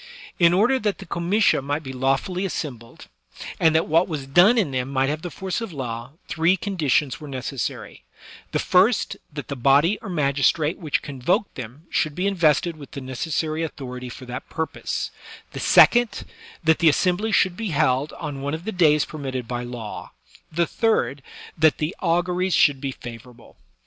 In order that the comitia might be lawfully assembled, and that what was done in them might have the force of law, three conditions were necessary; the first, that the body or magistrate which convoked them should be in vested with the necessary authority for that purpose ; the second, that the assembly should be held on one of the days i)ermitted by law; the third, that the auguries shotald be favorable.